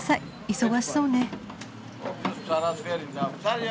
忙しそうね。